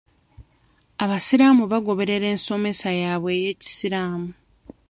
Abasiraamu bagoberera ensomesa yabwe ey'ekisiraamu.